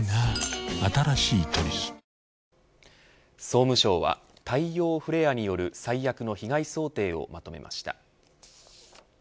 総務省は、太陽フレアによる最悪の被害想定をまとめました。